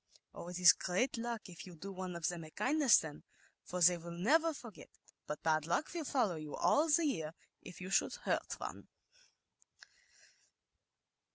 "Oh, it is great luck, if you do one of them a kindness then, for they will never forget it; but bad luck will follow all e year if you should hurt one.